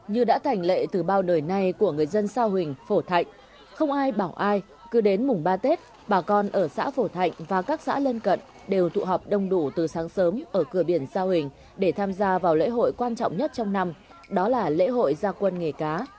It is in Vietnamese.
như đã thành lệ từ bao đời nay của người dân sa huỳnh phổ thạnh không ai bảo ai cứ đến mùng ba tết bà con ở xã phổ thạnh và các xã lân cận đều tụ họp đông đủ từ sáng sớm ở cửa biển sa huỳnh để tham gia vào lễ hội quan trọng nhất trong năm đó là lễ hội gia quân nghề cá